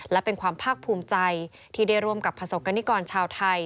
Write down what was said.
และเป็นความภาคภูมิใจที่ได้ร่วมกับประสบกรณิกรชาวไทย